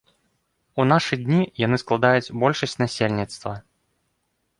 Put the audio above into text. У нашы дні яны складаюць большасць насельніцтва.